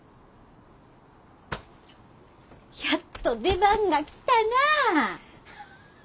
やっと出番が来たなあ！